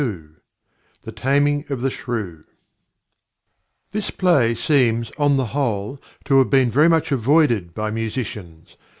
THE TAMING OF THE SHREW This play seems, on the whole, to have been very much avoided by musicians.